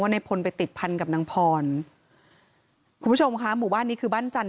ในพลไปติดพันกับนางพรคุณผู้ชมค่ะหมู่บ้านนี้คือบ้านจันท